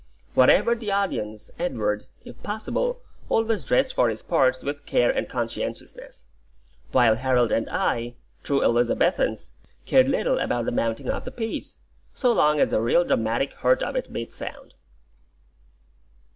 Whatever the audience, Edward, if possible, always dressed for his parts with care and conscientiousness; while Harold and I, true Elizabethans, cared little about the mounting of the piece, so long as the real dramatic heart of it beat sound.